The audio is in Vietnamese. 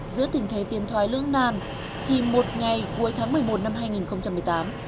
giữa tình thế tiền thoái lưỡng nàn thì một ngày cuối tháng một mươi một năm hai nghìn một mươi tám